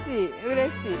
うれしい！